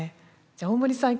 じゃあ大森さん